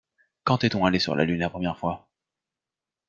Quand est-on allé sur la lune la première fois?